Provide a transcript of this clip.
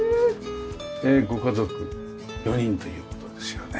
ご家族４人という事ですよね。